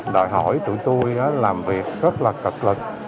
đòi hỏi tụi tôi làm việc rất là cật lực